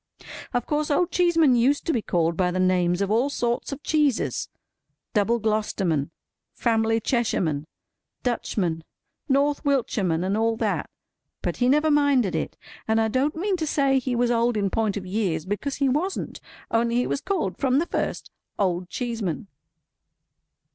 Of course Old Cheeseman used to be called by the names of all sorts of cheeses—Double Glo'sterman, Family Cheshireman, Dutchman, North Wiltshireman, and all that. But he never minded it. And I don't mean to say he was old in point of years—because he wasn't—only he was called from the first, Old Cheeseman.